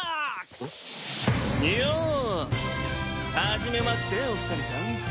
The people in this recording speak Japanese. はじめましてお二人さん。